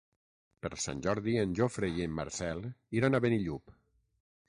Per Sant Jordi en Jofre i en Marcel iran a Benillup.